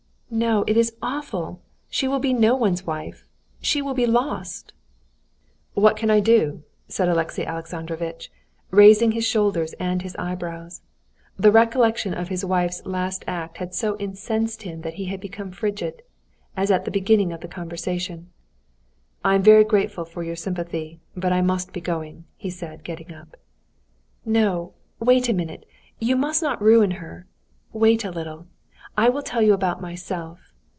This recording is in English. "No, it is awful! She will be no one's wife, she will be lost!" "What can I do?" said Alexey Alexandrovitch, raising his shoulders and his eyebrows. The recollection of his wife's last act had so incensed him that he had become frigid, as at the beginning of the conversation. "I am very grateful for your sympathy, but I must be going," he said, getting up. "No, wait a minute. You must not ruin her. Wait a little; I will tell you about myself.